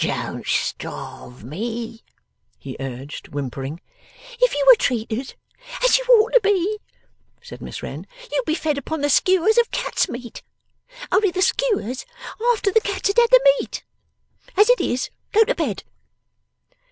'No, don't starve me,' he urged, whimpering. 'If you were treated as you ought to be,' said Miss Wren, 'you'd be fed upon the skewers of cats' meat; only the skewers, after the cats had had the meat. As it is, go to bed.